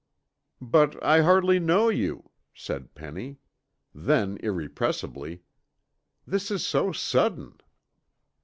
"But I hardly know you," said Penny then, irrepressibly, "this is so sudden!"